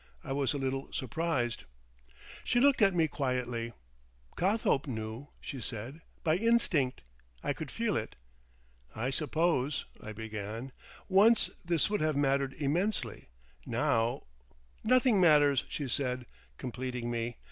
I was a little surprised." She looked at me quietly. "Cothope knew," she said. "By instinct. I could feel it." "I suppose," I began, "once, this would have mattered immensely. Now—" "Nothing matters," she said, completing me.